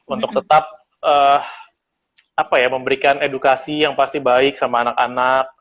untuk tetap memberikan edukasi yang pasti baik sama anak anak